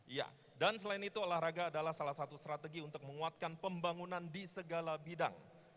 iya dan selain itu olahraga adalah salah satu strategi untuk menguatkan pembangunan di segala bidang